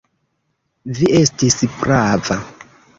Vi estis prava.